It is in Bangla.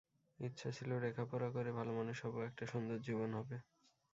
ইচ্ছা ছিল, লেখাপড়া করে ভালো মানুষ হব, একটা সুন্দর জীবন হবে।